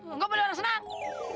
enggak boleh orang senang